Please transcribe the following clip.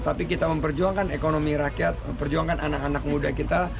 tapi kita memperjuangkan ekonomi rakyat memperjuangkan anak anak muda kita